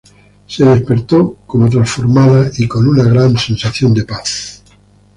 Se despertó como transformada y con una gran sensación de paz.